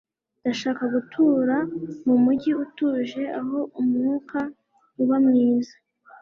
Ndashaka gutura mumujyi utuje aho umwuka uba mwiza.